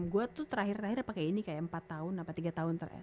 gue tuh terakhir terakhir pakai ini kayak empat tahun atau tiga tahun